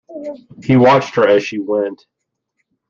He watched her as she went.